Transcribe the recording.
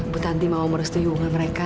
bu tanti mau merestui hubungan mereka